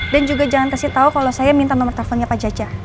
dan juga jangan kasih tahu kalau saya minta nomor teleponnya pak jajah